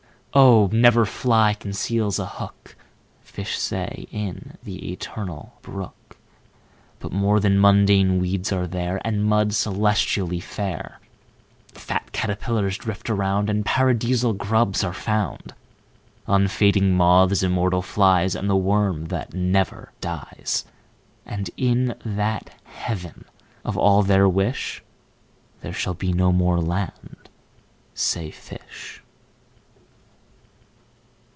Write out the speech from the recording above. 25Oh! never fly conceals a hook,26Fish say, in the Eternal Brook,27But more than mundane weeds are there,28And mud, celestially fair;29Fat caterpillars drift around,30And Paradisal grubs are found;31Unfading moths, immortal flies,32And the worm that never dies.33And in that Heaven of all their wish,34There shall be no more land, say fish.